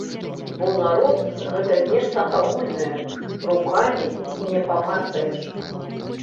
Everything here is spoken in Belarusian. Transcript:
Бо народ гэта нешта агульнае, рукамі не памацаеш.